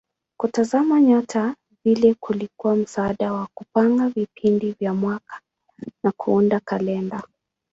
Kutazama nyota vile kulikuwa msaada wa kupanga vipindi vya mwaka na kuunda kalenda.